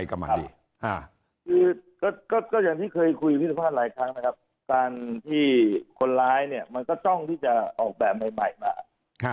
การที่คนร้ายมันก็ต้องที่จะออกแบบใหม่มา